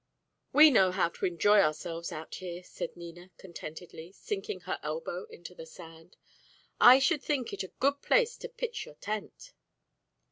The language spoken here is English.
"We know how to enjoy ourselves out here," said Nina, contentedly, sinking her elbow into the sand. "I should think it a good place to pitch your tent."